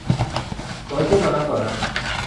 สวยขึ้นมานักต่อนัก